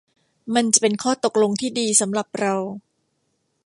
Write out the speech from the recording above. มันจะเป็นข้อตกลงที่ดีสำหรับเรา